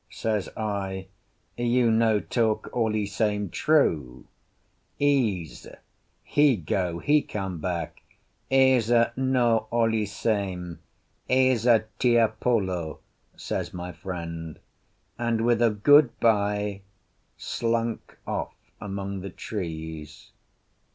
says I, "you no talk all e same true. Ese he go, he come back." "Ese no all e same; Ese Tiapolo," says my friend; and, with a "Good bye," slunk off among the trees.